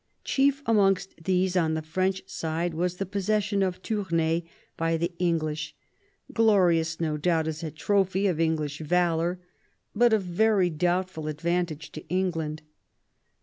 Chief amongst these onx^e French side was the pos session of Tournai by the English, glorious, no doubt, as a trophy of English valour, but of very doubtful ad vantage to England.